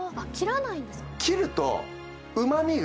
切ると。